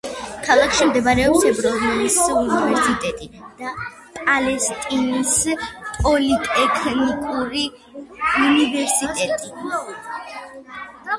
ქალაქში მდებარეობს ჰებრონის უნივერსიტეტი და პალესტინის პოლიტექნიკური უნივერსიტეტი.